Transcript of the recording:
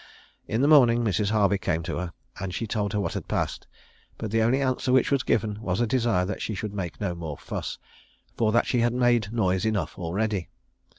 In the morning Mrs. Harvey came to her, and she told her what had passed; but the only answer which was given, was a desire that she would make no more fuss, for that she had made noise enough already.